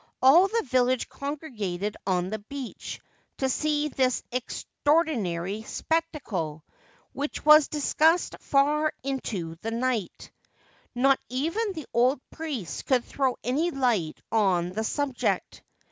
All the village congregated on the beach to see this extra ordinary spectacle, which was discussed far into the night. 276 The Temple of the Awabi Not even the old priest could throw any light on the subject.